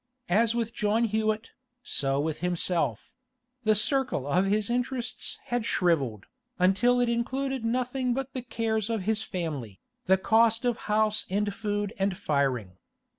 As with John Hewett, so with himself; the circle of his interests had shrivelled, until it included nothing but the cares of his family, the cost of house and food and firing.